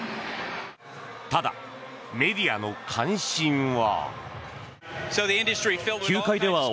ただ、メディアの関心は。